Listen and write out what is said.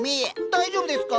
大丈夫ですか？